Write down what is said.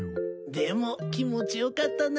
でも気持ち良かったな。